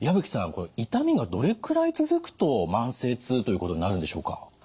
これ痛みがどれくらい続くと慢性痛ということになるんでしょうか？